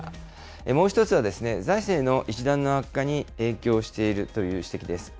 もう１つは、財政の一段の悪化に影響しているという指摘です。